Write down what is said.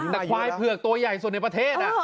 แต่ควายเผือกตัวใหญ่สุดในประเทศ